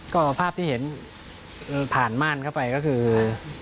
ก็ภาพที่เห็นผ่านม่านเข้าไปก็คือ